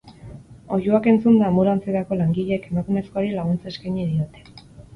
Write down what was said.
Oihuak entzunda, anbulantzietako langileek emakumezkoari laguntza eskaini diote.